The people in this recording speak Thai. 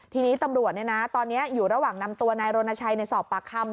ทีนี้ตำรวจตอนนี้อยู่ระหว่างนำตัวนายรณชัยสอบปากคำ